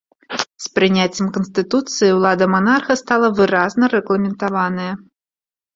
З прыняццем канстытуцыі ўлада манарха стала выразна рэгламентаваная.